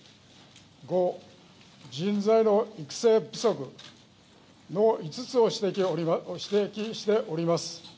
５、人材の育成不足の５つを指摘しております。